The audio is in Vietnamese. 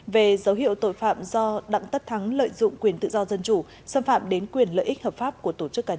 về dấu hiệu tội phạm do đặng tất thắng lợi dụng quyền tự do dân chủ xâm phạm đến quyền lợi ích hợp pháp của tổ chức cá nhân